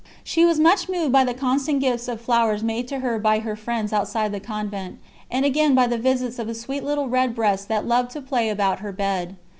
She was much moved by the constant gifts of flowers made to her by her friends outside the Convent, and again by the visits of a sweet little redbreast that loved to play about her bed.